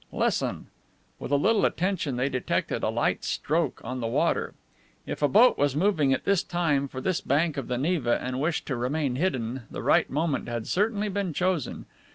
"Listen." With a little attention they detected a light stroke on the water. If a boat was moving at this time for this bank of the Neva and wished to remain hidden, the right moment had certainly been chosen.